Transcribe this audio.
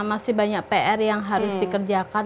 masih banyak pr yang harus dikerjakan